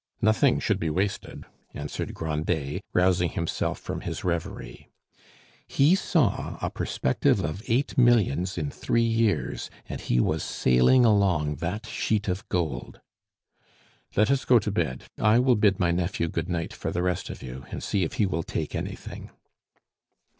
"Nothing should be wasted," answered Grandet, rousing himself from his reverie. He saw a perspective of eight millions in three years, and he was sailing along that sheet of gold. "Let us go to bed. I will bid my nephew good night for the rest of you, and see if he will take anything."